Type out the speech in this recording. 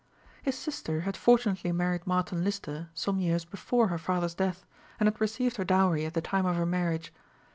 His sister had fortunately married Martin Lister some years before her father's death, and had received her dowry at the time of her marriage.